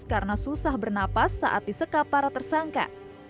karena susah bernapas saat disekap para tersangka